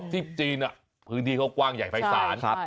ที่จีนพื้นที่เขากว้างใหญ่ภายศาล